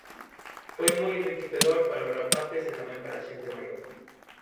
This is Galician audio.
Foi moi enriquecedor para os rapaces e tamén para a xente maior.